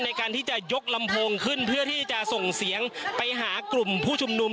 ในการที่จะยกลำโพงขึ้นเพื่อที่จะส่งเสียงไปหากลุ่มผู้ชุมนุม